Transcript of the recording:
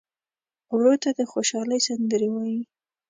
ورور ته د خوشحالۍ سندرې وایې.